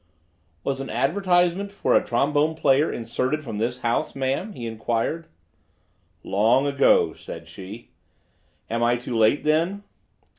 "Was an advertisement for a trombone player inserted from this house, ma'am?" he inquired. "Long ago," said she. "Am I too late, then?"